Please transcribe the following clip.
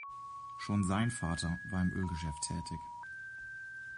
Schon sein Vater war im Ölgeschäft tätig.